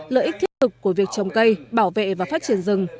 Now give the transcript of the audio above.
lợi ích thiết thực của việc trồng cây bảo vệ và phát triển rừng